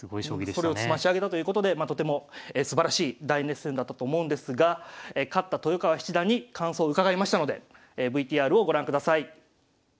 それを詰まし上げたということでとてもすばらしい大熱戦だったと思うんですが勝った豊川七段に感想を伺いましたのでＶＴＲをご覧ください。